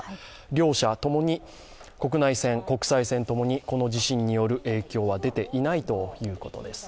両社ともに国内線、国際線ともにこの地震による影響は出ていないということです。